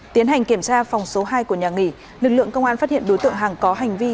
tiến hành kiểm tra phòng số hai của nhà nghỉ lực lượng công an phát hiện đối tượng hằng có hành vi